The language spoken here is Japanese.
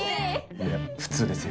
いや普通ですよ。